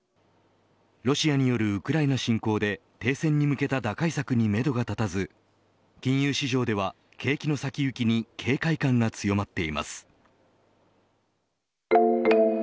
ロシアによるウクライナ侵攻で停戦に向けた打開策にめどが立たず金融市場では景気の先行きに警戒感が強まっています。